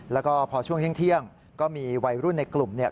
แล้วก็พอช่วงเที่ยงก็มีวัยรุ่นในกลุ่มเนี่ย